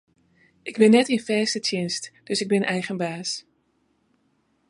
Ik bin net yn fêste tsjinst, dus ik bin eigen baas.